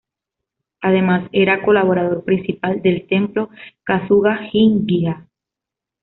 Además era colaborador principal del Templo Kasuga-Ginngia.